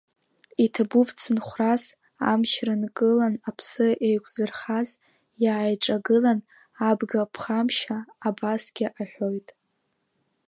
Иҭабуп цынхәрас, амчра нкылан, аԥсы еиқәзырхаз иааиҿагылан, абга ԥхамшьа абасгьы аҳәоит…